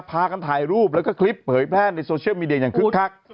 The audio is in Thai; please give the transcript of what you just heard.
พากันถ่ายรูปแล้วก็คลิปเผยแพร่ในโซเชียลมีเดียอย่างคึกคัก